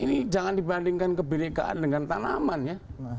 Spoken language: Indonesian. ini jangan dibandingkan kebenekaan dengan tanaman ya